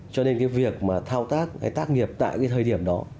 cho nên cái việc mà thao tác hay tác nghiệp tại cái thời điểm đó